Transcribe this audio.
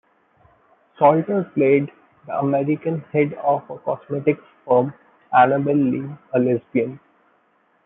Salter played the American head of a cosmetics firm, Annabelle Lee, a lesbian.